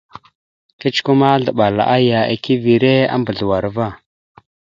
Kecəkwe ma, azləɓal aya ekeve a mbazləwar va.